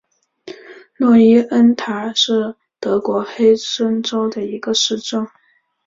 诺伊恩塔尔是德国黑森州的一个市镇。